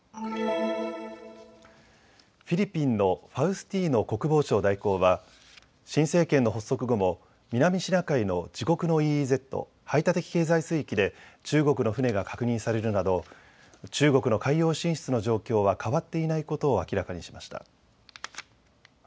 フィリピンのファウスティーノ国防相代行は新政権の発足後も南シナ海の自国のＥＥＺ・排他的経済水域で中国の船が確認されるなど中国の海洋進出の状況は変わっていないことを明らかにしました。